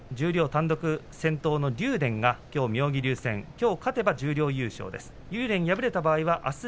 単独先頭の竜電はきょうは妙義龍戦勝てば十両優勝です。